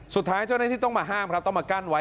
สุดท้ายเจ้าหน้าที่ต้องมาห้ามครับต้องมากั้นไว้